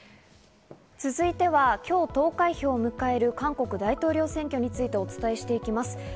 続いては今日、投開票を迎える韓国大統領選挙についてお伝えしていきます。